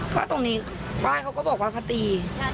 เพราะตรงนี้บ้านเขาก็บอกว่าเขาตี